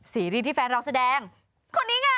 ซีรีส์ที่แฟนเราแสดงคนนี้ไง